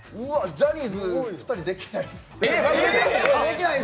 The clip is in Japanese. ジャニーズ２人、できないです。